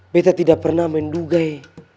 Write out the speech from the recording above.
beta tidak pernah mendugai